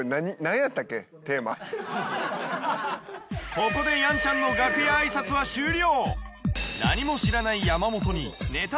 ここでやんちゃんの楽屋挨拶は終了。